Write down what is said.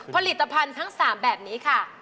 ผลิตภัณฑ์ทั้ง๓แบบนี้ค่ะ